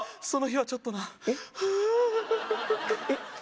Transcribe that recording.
その日はちょっとなえっ？